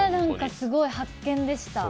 すごい発見でした。